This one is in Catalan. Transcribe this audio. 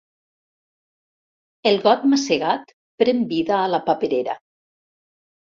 El got masegat pren vida a la paperera.